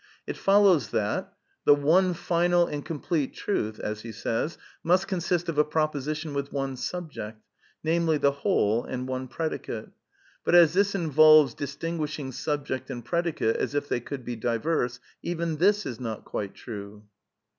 It follows that THE NEW REALISM 199 ^' the one final and complete truth must consist of a proposition with one subject, namely, the whole, ai^d one predicate. But as this involves distin^ishing subject and predicate, as if they could be diverse, even this is not quite true."